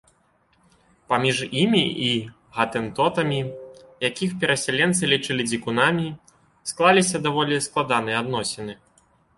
Паміж імі і гатэнтотамі, якіх перасяленцы лічылі дзікунамі, склаліся даволі складаныя адносіны.